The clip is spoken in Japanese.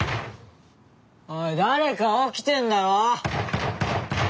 おい誰か起きてんだろ？